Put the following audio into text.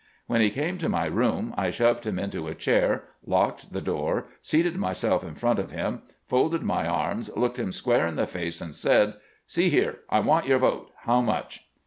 When he came to my room, I shoved him into a chair, locked the door, seated myself in front of him, folded my arms, looked him square in the face, and said :" See here ! I want your vote. How much